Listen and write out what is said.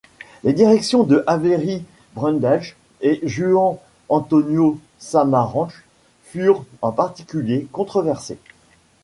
Les directions de Avery Brundage et Juan Antonio Samaranch furent en particulier controversées.